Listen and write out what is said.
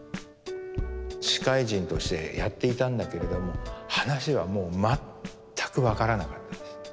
司会陣としてやっていたんだけれども話はもう全く分からなかったです。